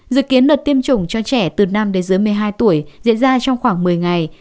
dự kiến đợt tiêm chủng cho trẻ từ năm đến dưới một mươi hai tuổi diễn ra trong khoảng một mươi ngày